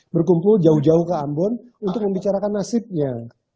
berkumpul jauh jauh ke ambon untuk membicarakan nasibnya